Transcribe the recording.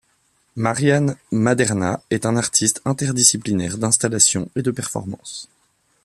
Marianne Maderna est un artiste interdisciplinaire d'installation et de performance.